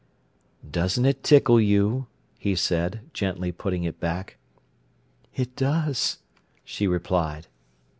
"Doesn't it tickle you?" he said, gently putting it back. "It does," she replied.